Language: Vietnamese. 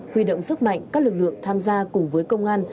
huy động sức mạnh các lực lượng tham gia cùng với công an